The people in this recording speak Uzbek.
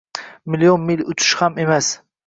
Million mil uchish ham emas.